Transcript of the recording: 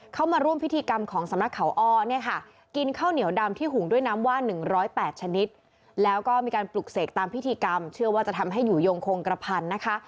มาร่วมพิธีกรรมของสำนักเขาอ้อเนี่ยค่ะกินข้าวเหนียวดำที่หุงด้วยน้ำว่าน๑๐๘ชนิดแล้วก็มีการปลุกเสกตามพิธีกรรมเชื่อว่าจะทำให้อยู่ยงคงกระพันนะคะ